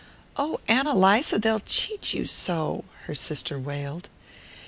"Oh, Ann Eliza, they'll cheat you so," her sister wailed.